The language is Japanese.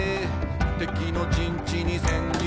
「敵の陣地に潜入」